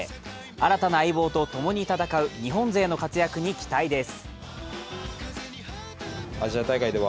新たな相棒と共に戦う日本勢の活躍に期待です。